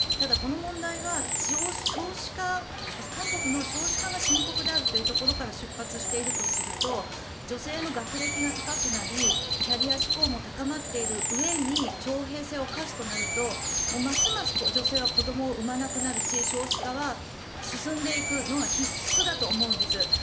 この問題は韓国の少子化が深刻であるというところから出発しているとすると女性の学歴が高くなりキャリア志向も高まっているうえに徴兵制を課すとなるとますます女性は子どもを産まなくなるし少子化は進んでいくのは必須だと思うんです。